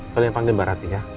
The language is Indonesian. kalian panggil mbak rady ya